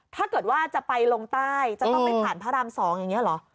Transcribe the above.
ถ้าเกิดว่าจะไปลงใต้จะต้องไปผ่านพระราม๒อย่างนี้เหรอ